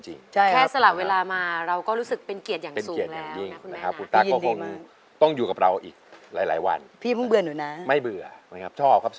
แค่สละเวลามาเราก็รู้สึกเป็นเกียรติอย่างสูงแล้ว